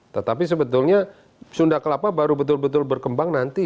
tetapi sebetulnya sunda kelapa baru betul betul berkembang nanti